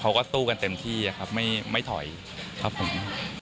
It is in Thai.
เขาก็สู้กันเต็มที่ครับไม่ถอยครับผม